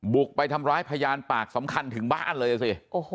บุกไปทำร้ายพยานปากสำคัญถึงบ้านเลยสิ